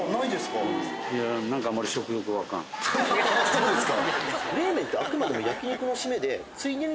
そうですか。